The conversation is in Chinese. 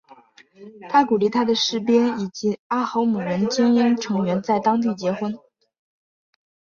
他鼓励他的士兵以及阿豪姆人精英成员在当地结婚。